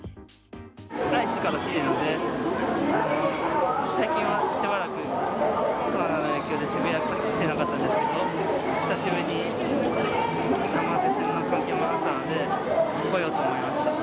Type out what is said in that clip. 愛知から来ているので、最近はしばらくコロナの影響で渋谷駅に来ていなかったんですけど、久しぶりに山手線の関係もあったので、来ようと思いました。